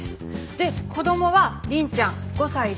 で子供は凛ちゃん５歳で。